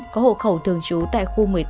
có hộ khẩu thường trú tại khu một mươi tám